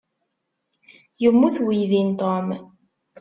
Yemmut uydi n Tom.